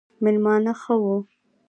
مېلمانه ښه وو